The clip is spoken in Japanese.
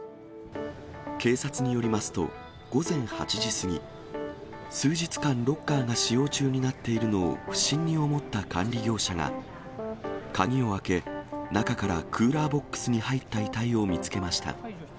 警察によりますと、午前８時過ぎ、数日間ロッカーが使用中になっているのを不審に思った管理業者が、鍵を開け、中からクーラーボックスに入った遺体を見つけました。